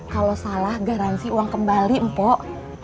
kalo salah garansi uang kembali empok